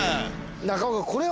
中岡